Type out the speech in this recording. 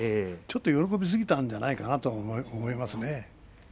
ちょっと喜びすぎたんじゃないかなと思いますね。